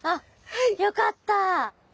よかった！